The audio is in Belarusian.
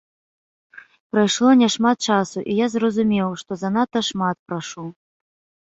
Прайшло няшмат часу, і я зразумеў, што занадта шмат прашу.